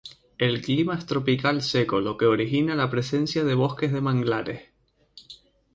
El clima es tropical seco lo que origina la presencia de bosques de manglares.